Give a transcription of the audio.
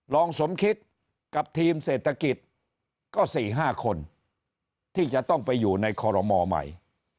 รองสมคิดกับทีมเศรษฐกิจก็๔๕คนที่จะต้องไปอยู่ในคอรมอใหม่